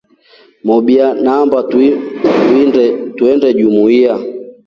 Mobya naamba tuinde jumuiya.